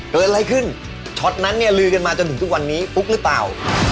เกิดอะไรขึ้นช็อตนั้นเนี่ยลือกันมาจนถึงทุกวันนี้ฟุ๊กหรือเปล่า